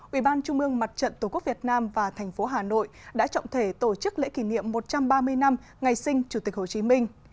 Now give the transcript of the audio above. ubnd tổ quốc việt nam và tp hà nội đã trọng thể tổ chức lễ kỷ niệm một trăm ba mươi năm ngày sinh chủ tịch hồ chí minh